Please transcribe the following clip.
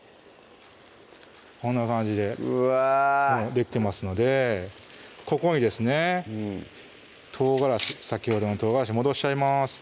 こんな感じでうわできてますのでここにですね唐辛子先ほどの唐辛子戻しちゃいます